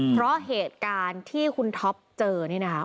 เพราะเหตุการณ์ที่คุณท็อปเจอนี่นะคะ